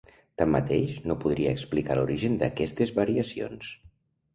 Tanmateix, no podria explicar l'origen d'aquestes variacions.